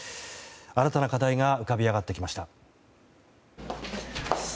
新たな課題が浮かび上がってきました。